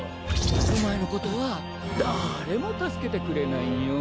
お前のことはだーれも助けてくれないよ。